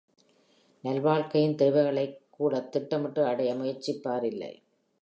நல்வாழ்க்கையின் தேவைகளைக்கூடத் திட்டமிட்டு அடைய முயற்சிப்பார் இல்லை.